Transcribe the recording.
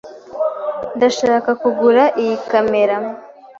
Ndashaka kugura iyi kamera.